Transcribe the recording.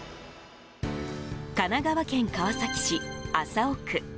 神奈川県川崎市麻生区。